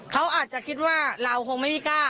เขาอาจจะคิดว่าเราคงไม่มีกล้า